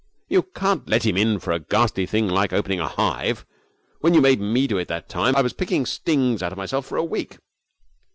'You can't let him in for a ghastly thing like opening a hive. When you made me do it that time I was picking stings out of myself for a week.'